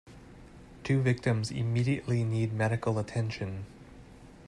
Two victims immediately need medical attention.